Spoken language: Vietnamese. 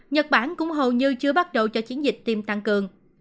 nhật bản cũng hầu như chưa bắt đầu cho chiến dịch tiêm tăng cường